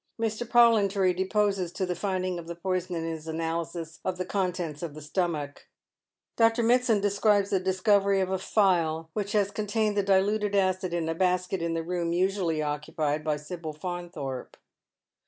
Mr, Pollintory deposes to the finding of the poison in his analysis of the contents of the Btomach. Dr. Mitsand describes the discovery of a phial which has contained the diluted acid in a basket in the room usually occupied by Sibyl Faunthorpe.